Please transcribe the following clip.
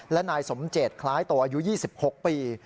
และนายสมเจตคล้ายตัวอายุ๒๖ปี